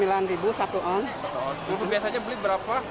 jadi biasanya beli berapa